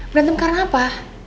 berantem karena apa